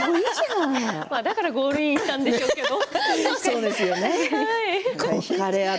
だからゴールインしたんでしょうけれども。